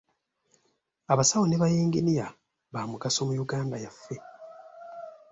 Abasawo ne bayinginiya baamugaso mu Uganda yaffe.